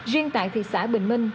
riêng tại thị xã bình minh